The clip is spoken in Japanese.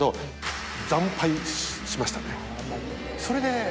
それで。